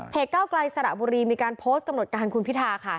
เก้าไกลสระบุรีมีการโพสต์กำหนดการคุณพิธาค่ะ